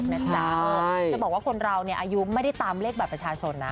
จะบอกว่าคนเราอายุไม่ได้ตามเลขบัตรประชาชนนะ